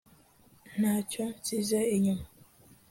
nta cyo nsize inyuma